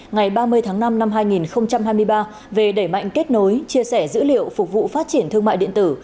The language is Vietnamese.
ngày ba mươi tháng năm năm hai nghìn hai mươi ba về đẩy mạnh kết nối chia sẻ dữ liệu phục vụ phát triển thương mại điện tử